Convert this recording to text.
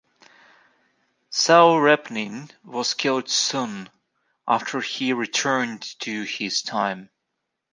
Saul Repnin was killed soon after he returned to his time.